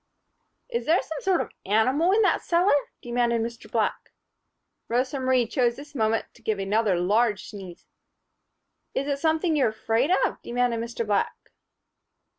"Is there some sort of an animal in that cellar?" demanded Mr. Black. Rosa Marie chose this moment to give another large sneeze. "Is it something you're afraid of?" demanded Mr. Black.